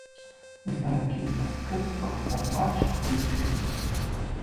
Mr Larkin was principal for much of this period.